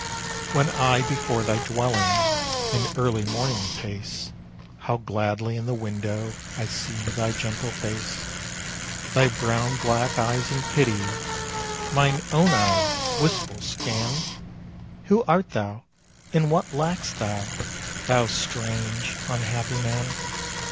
When I before thy dwelling, In early morning pace, How gladly in the window I see thy gentle face. Thy brown black eyes in pity, Mine own eyes, wistful scan, "Who art thou, and what lack'st thou, Thou strange, unhappy man?"